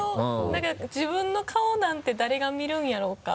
何か自分の顔なんて誰が見るんやろうか？